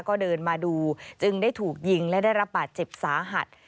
ก็เดินมาดูจึงได้ถูกยิงและได้รับบาดเจ็บสาหัส